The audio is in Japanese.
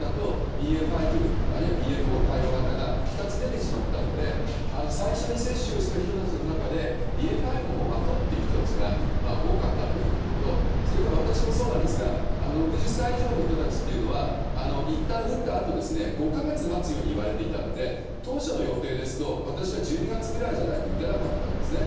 ＢＡ．１の対応型とＢＡ．５など２つ出てしまったので最初に接種した人の中でＢＡ．５のものを待とうという人が多かったということとそれから私もそうですが６０歳以上の人たちはいったん打ったあと５か月待つようにいわれていたので当初の予定ですと私は１２月ぐらいじゃないと打てなかったんですね。